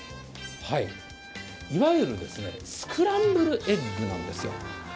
いわゆるスクランブルエッグなんですよ。